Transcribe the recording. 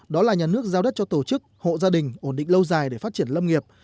đó là nhà nước giao đất cho tổ chức hộ gia đình ổn định lâu dài để phát triển lâm nghiệp